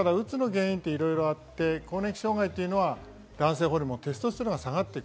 ただ、うつの原因はいろいろあって、更年期障害というのは男性ホルモン、テストステロンが下がる。